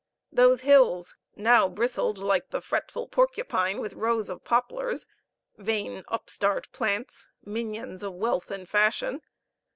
Those hills, now bristled like the fretful porcupine, with rows of poplars (vain upstart plants! minions of wealth and fashion!)